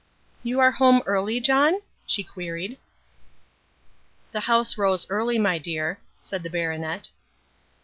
"You are home early, John?" she queried. "The House rose early, my dear," said the baronet.